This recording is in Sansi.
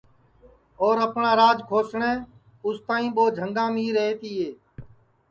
اور اپٹؔا راج کھوسُونگے اُس تائی ٻو جھنگام ہی رہتے تیے